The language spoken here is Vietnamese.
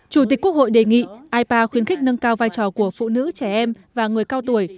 chủ tịch quốc hội đề nghị ipa khuyến khích nâng cao vai trò của phụ nữ trẻ em và người cao tuổi